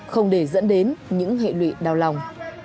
không để dẫn đến những hệ lụy đau lòng